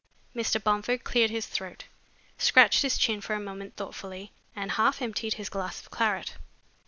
Mr. Bomford cleared his throat, scratched his chin for a moment thoughtfully, and half emptied his glass of claret.